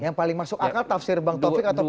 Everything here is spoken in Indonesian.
yang paling masuk akal tafsir bang taufik atau bang rio